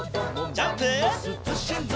ジャンプ！